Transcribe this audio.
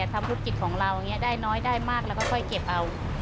ทำธุรกิจของเราได้น้อยได้มากแล้วก็ค่อยเก็บเอา